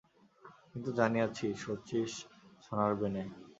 কিন্তু জানিয়াছি, শচীশ সোনার-বেনে।